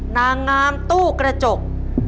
นางงามตู้กระจก